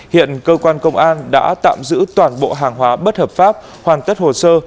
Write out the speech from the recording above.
hiện cơ quan công an đã tạm giữ toàn bộ hàng hóa bất hợp pháp hoàn tất hồ sơ